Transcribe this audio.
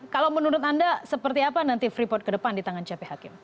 kalau menurut anda seperti apa nanti freeport ke depan di tangan cp hakim